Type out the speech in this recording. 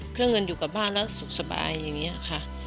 เครื่องเงินอยู่กับบ้านแล้วสุขสบายอย่างนี้ค่ะ